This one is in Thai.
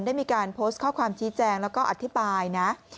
ได้มีการโพสต์ข้อความชี้แจงแล้วก็อธิบายนะ